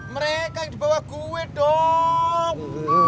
mereka yang di bawah gue dong